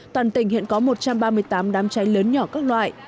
toàn tỉnh hiện có một trăm ba mươi tám đám cháy lớn nhỏ các loại